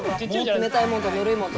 冷たいもんとぬるいもんとで。